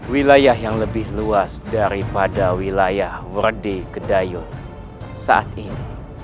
wilayah yang lebih luas daripada wilayah werdikedayun saat ini